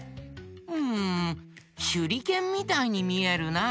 んしゅりけんみたいにみえるな。